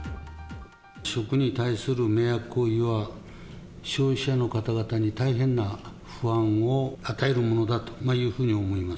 食に対する迷惑行為は、消費者の方々に大変な不安を与えるものだというふうに思います。